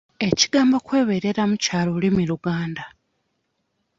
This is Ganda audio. Ekigambo kwebeereramu kya lulimi Luganda.